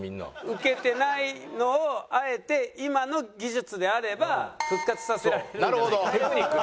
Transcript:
ウケてないのをあえて今の技術であれば復活させられるんじゃないか。